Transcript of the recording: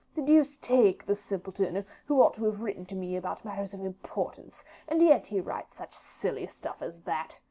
The deuce take the simpleton, who ought to have written to me about matters of importance, and yet he writes such silly stuff as that.